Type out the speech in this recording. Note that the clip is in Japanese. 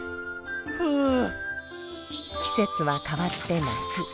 季節は変わって夏。